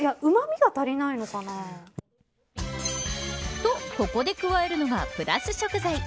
と、ここで加えるのがプラス食材。